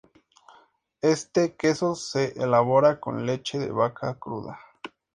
Este queso se elabora con leche de vaca cruda.